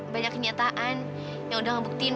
banyak kenyataan yang udah ngebuktiin